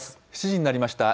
７時になりました。